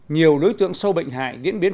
nhiều đối tượng sâu bệnh hại diễn biến